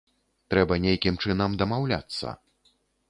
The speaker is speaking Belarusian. Трэба нейкім чынам дамаўляцца.